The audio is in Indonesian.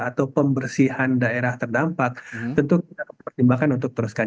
atau pembersihan daerah terdampak tentu kita pertimbangkan untuk teruskan